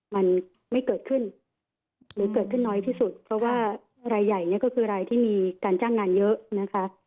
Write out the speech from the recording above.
มันไม่เกิดขึ้นหรือเกิดขึ้นน้อยที่สุดเพราะว่ารายใหญ่เนี่ยก็คือรายที่มีการจ้างงานเยอะนะคะ